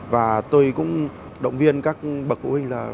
và tôi cũng động viên các bậc phụ huynh là